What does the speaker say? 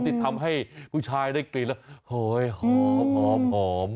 ที่ทำให้ผู้ชายได้กลิ่นแล้วหอยหอม